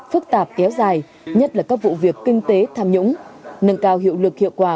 phức tạp kéo dài nhất là các vụ việc kinh tế tham nhũng nâng cao hiệu lực hiệu quả